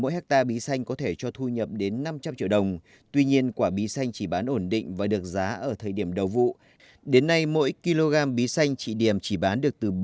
huyện ba bể tỉnh bắc cản